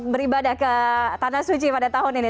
beribadah ke tanah suci pada tahun ini